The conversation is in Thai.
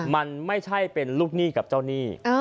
มันไม่ใช่เป็นลูกหนี้กับเจ้าหนี้